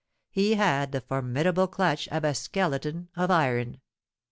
He had the formidable clutch of a skeleton of iron.